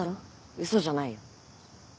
ウソじゃないよ。